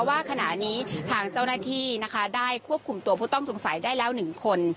ว่าขณะนี้ทางเจ้าหน้าที่นะคะได้ควบคุมตัวผู้ต้องสงสัยได้แล้ว๑คน